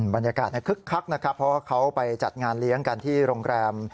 บรรยากาศคึกคักนะครับเพราะว่าเขาไปจัดงานเลี้ยงกันที่โรงแรม